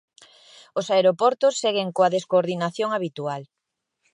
Os aeroportos seguen coa descoordinación habitual.